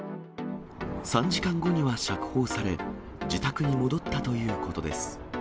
３時間後には釈放され、自宅に戻ったということです。